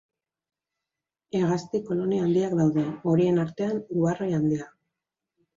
Hegazti kolonia handiak daude, horien artean ubarroi handia.